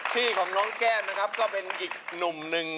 พี่ของน้องแก้มนะครับก็เป็นอีกหนุ่มหนึ่ง